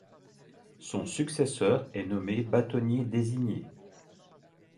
Son successeur est nommé bâtonnier désigné.